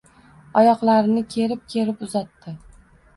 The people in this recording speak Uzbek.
Oyoqlarini kerib-kerib uzatdi.